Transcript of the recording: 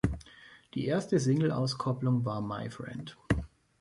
Die erste Singleauskopplung war "My Friend".